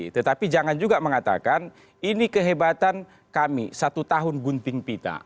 tetapi jangan juga mengatakan ini kehebatan kami satu tahun gunting pita